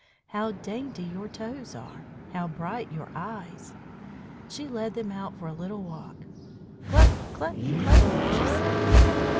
How dainty your toes are! How bright are your eyes!" She led them out for a little walk. "Cluck! cluck! cluck!" she said.